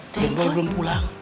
denboy belum pulang